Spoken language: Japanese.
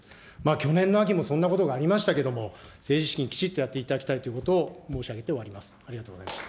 去年の秋もそんなことがありましたけれども、政治資金、きちっとやっていただきたいということを申し上げて終わります。